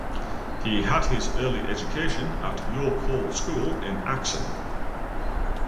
He had his early education at York Hall School in Axim.